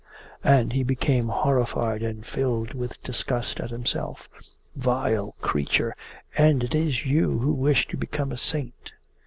And he became horrified and filled with disgust at himself. 'Vile creature! And it is you who wish to become a saint!